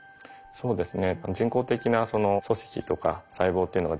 そうですね。